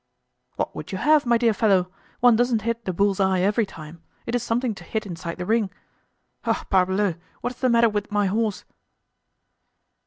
"What would you have, my dear fellow? One doesn't hit the bull's eye every time; it is something to hit inside the ring. Ho! parbleau! what is the matter with my horse?"